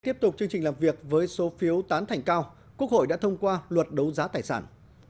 tiếp tục chương trình làm việc với số phiếu tán thành cao quốc hội đã thông qua luật đấu giá tài sản